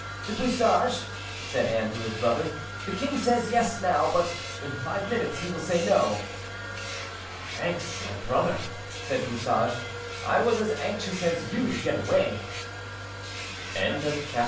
Du Bouchage," said Anne to his brother. "The king says yes now; but in five minutes he will say no." "Thanks, my brother," said Bouchage; "I was as anxious as you to get away." CHAPTER V. THE EXECUTION.